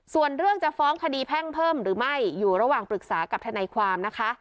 ส่วนเรื่องจะฟ้องคดีแพ่งเพิ่มหรือไม่อยู่ระหว่างปรึกษากับทนายความนะคะ